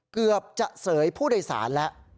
เกือบจะเสยผู้โดยสารแล้ว